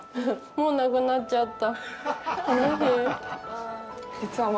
もうなくなっちゃった。